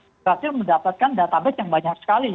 berhasil mendapatkan database yang banyak sekali